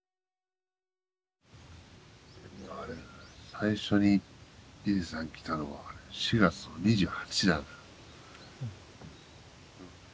最初に伊勢さん来たのは４月の２８だな。